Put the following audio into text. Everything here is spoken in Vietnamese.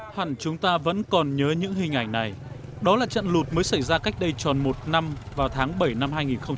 hẳn chúng ta vẫn còn nhớ những hình ảnh này đó là trận lụt mới xảy ra cách đây tròn một năm vào tháng bảy năm hai nghìn một mươi tám